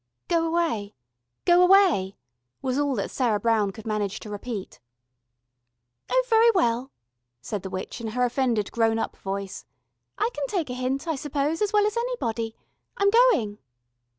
"Go away, go away," was all that Sarah Brown could manage to repeat. "Oh, very well," said the witch in her offended grown up voice. "I can take a hint, I suppose, as well as anybody. I'm going."